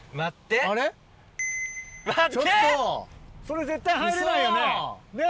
それ絶対入れないよね？